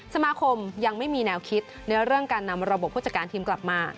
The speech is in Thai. สมาคมยังไม่มีแนวคิดในเรื่องการนำระบบผู้จัดการทีมกลับมา